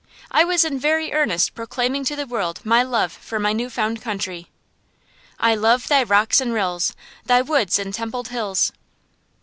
I was in very earnest proclaiming to the world my love for my new found country. "I love thy rocks and rills. Thy woods and templed hills."